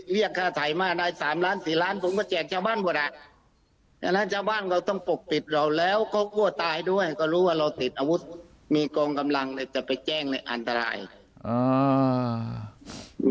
เรียกค่าถ่ายมาได้สามล้านสี่ล้านผมก็แจกชาวบ้านพวกหละอย่างงั้นชาวบ้านเขาจะกใปลกติดเราแล้วเขาก็ตายด้วยก็รู้ว่าเราติดอาวุธมีกลงกำลังจะไปแจ้งแล้วอันตราย